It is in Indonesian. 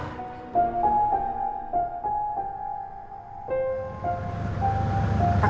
kamu nyantai nang